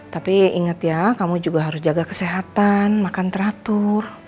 tapi ingat ya kamu juga harus jaga kesehatan makan teratur